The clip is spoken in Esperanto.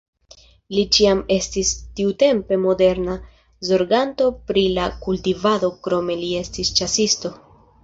Li ĉiam estis tiutempe moderna zorganto pri la kultivado, krome li estis ĉasisto.